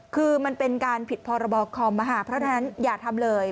คือมันเป็นการผิดพรบคอมเพราะฉะนั้นอย่าทำเลย